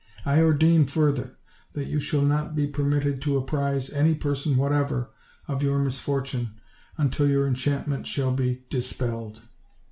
I ordain, further, that you shall not be per mitted to apprise any person whatever of your misfor tune, until your enchantment shall be dispelled.'